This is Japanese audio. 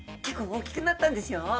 結構大きくなったんですよ。